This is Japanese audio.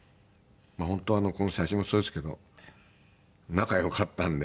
本当はこの写真もそうですけど仲良かったので。